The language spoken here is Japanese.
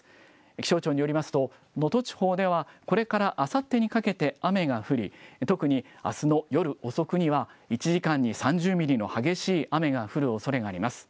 気象庁によりますと、能登地方ではこれからあさってにかけて雨が降り、特にあすの夜遅くには、１時間に３０ミリの激しい雨が降るおそれがあります。